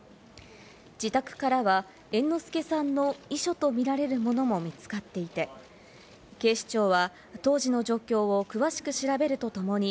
自宅からは猿之助さんの遺書とみられるものも見つかっていて、警視庁は当時の状況を詳しく調べるとともに、